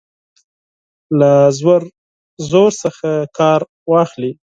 له زور څخه کار واخلي.